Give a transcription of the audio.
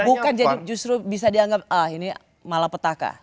bukan jadi justru bisa dianggap ah ini malapetaka